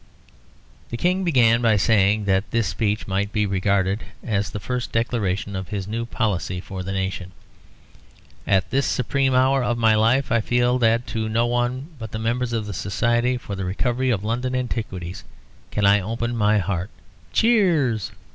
The King began by saying that this speech might be regarded as the first declaration of his new policy for the nation. "At this supreme hour of my life I feel that to no one but the members of the Society for the Recovery of London Antiquities can I open my heart (cheers).